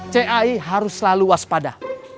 cai harus selalu waspada